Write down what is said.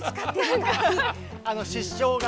失笑が。